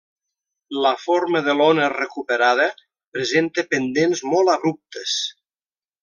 La forma de l'ona recuperada presenta pendents molt abruptes.